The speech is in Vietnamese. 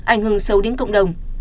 ảnh hưởng xấu đến cộng đồng